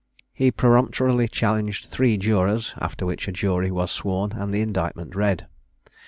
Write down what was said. He peremptorily challenged three jurors; after which a jury was sworn, and the indictment read.